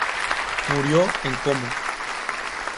Murió en Como.